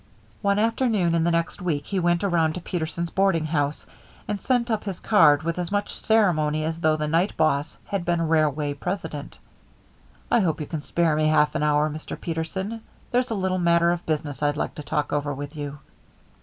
One afternoon in the next week he went around to Peterson's boarding house and sent up his card with as much ceremony as though the night boss had been a railway president. "I hope you can spare me half an hour, Mr. Peterson. There's a little matter of business I'd like to talk over with you."